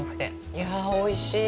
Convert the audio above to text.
いやぁ、おいしい！